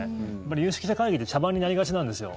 有識者会議って茶番になりがちなんですよ。